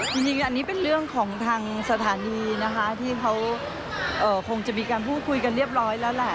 จริงอันนี้เป็นเรื่องของทางสถานีนะคะที่เขาคงจะมีการพูดคุยกันเรียบร้อยแล้วแหละ